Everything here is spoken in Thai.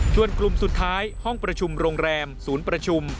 ส่วนกลุ่มสุดท้ายห้องประชุมโรงแรมศูนย์ประชุม